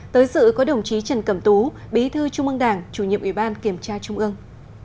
tới dự có đồng chí trần cẩm tú bí thư trung ương đảng chủ nhiệm ủy ban kiểm tra trung ương